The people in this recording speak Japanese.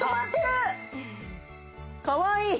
かわいい！